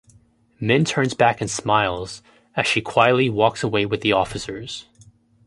Min turns back and smiles as she quietly walks away with the officers.